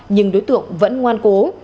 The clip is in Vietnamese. nhưng đối tượng vẫn ngoan cố